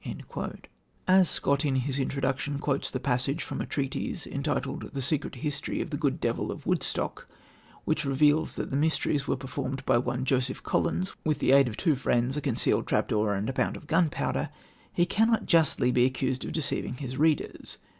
" As Scott in his introduction quotes the passage from a treatise entitled The Secret History of the Good Devil of Woodstock, which reveals that the mysteries were performed by one Joseph Collins with the aid of two friends, a concealed trap door and a pound of gunpowder, he cannot justly be accused of deceiving his readers.